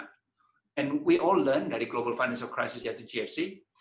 dan kita semua belajar dari global financial crisis yaitu gfc